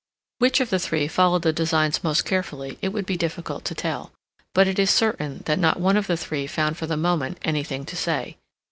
Which of the three followed the designs most carefully it would be difficult to tell, but it is certain that not one of the three found for the moment anything to say.